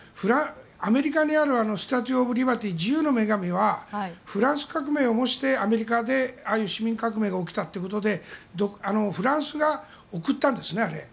アメリカにあるスタチューオブリバティー自由の女神はフランス革命を模してアメリカでああいう市民革命が起きたということでフランスが贈ったんです。